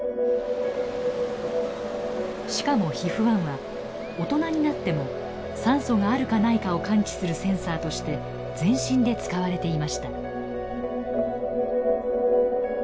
しかもＨＩＦ−１は大人になっても酸素があるかないかを感知するセンサーとして全身で使われていました。